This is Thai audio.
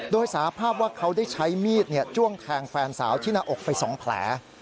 โดยสาภาพว่าเขาได้ใช้มีดจ้วงแทงแฟนสาวที่หน้าอกไป๒แผล